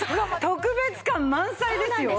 特別感満載ですよ？